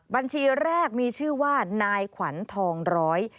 บัญชีแรกมีชื่อว่านายขวัญทองร้อย